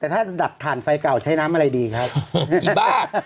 แต่ถ้าดัดถ่านไฟเก่าใช้น้ำอะไรดีครับบ้า